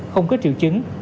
không có triệu chứng